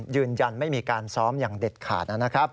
ยืนยันไม่มีการซ้อมอย่างเด็ดขาดนะครับ